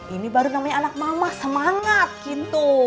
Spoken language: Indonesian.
ini baru namanya anak mama semangat gitu